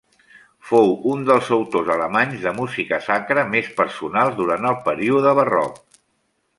Fou un dels autors alemanys de música sacra més personals durant el període barroc.